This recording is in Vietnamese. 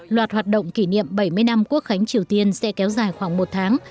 loạt hoạt động kỷ niệm bảy mươi năm quốc khánh triều tiên sẽ kéo dài khoảng một tháng